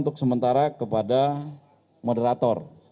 untuk sementara kepada moderator